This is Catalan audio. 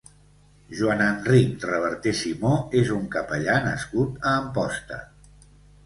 Joan Enric Reverté Simó és un capellà nascut a Amposta.